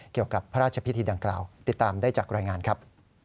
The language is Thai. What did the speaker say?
เกี่ยวกับพระราชพิธีดังกล่าวติดตามได้จากรายงานครับ